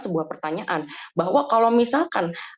sebuah pertanyaan bahwa kalau misalkan